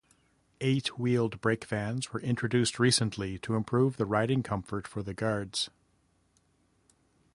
Eight-wheeled brake vans were introduced recently to improve the riding comfort for the guards.